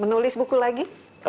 menulis buku lagi